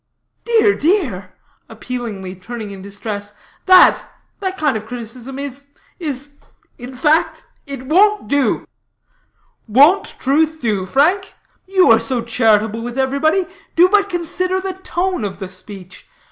"Dear, dear!" appealingly turning in distress, "that that kind of criticism is is in fact it won't do." "Won't truth do, Frank? You are so charitable with everybody, do but consider the tone of the speech.